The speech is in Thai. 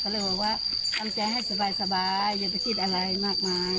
ก็เลยบอกว่าทำใจให้สบายอย่าไปคิดอะไรมากมาย